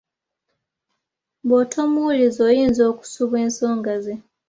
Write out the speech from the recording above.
Bw’otomuwuliriza oyinza okusubwa ensonga ze.